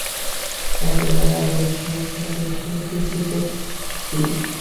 একেবারে আদর্শ স্বদেশী দিদিবৃত্তি।